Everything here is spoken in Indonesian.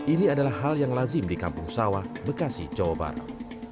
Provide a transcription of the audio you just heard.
ini adalah hal yang lazim di kampung sawah bekasi jawa barat